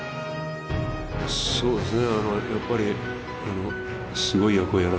そうですね。